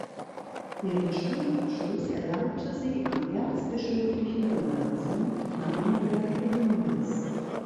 Ihren Schulabschluss erlangte sie am Erzbischöflichen Gymnasium Marienberg in Neuss.